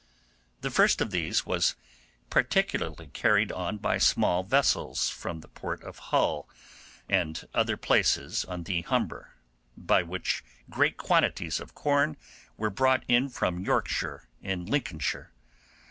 The first of these was particularly carried on by small vessels from the port of Hull and other places on the Humber, by which great quantities of corn were brought in from Yorkshire and Lincolnshire.